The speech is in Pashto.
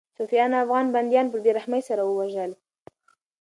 صفویانو افغان بندیان په بې رحمۍ سره ووژل.